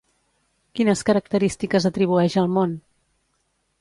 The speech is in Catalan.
Quines característiques atribueix al món?